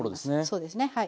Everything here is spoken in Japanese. そうですねはい。